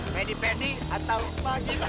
pedih pedih atau pagi berat